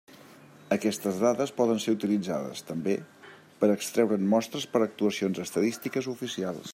Aquestes dades poden ser utilitzades, també, per extreure'n mostres per a actuacions estadístiques oficials.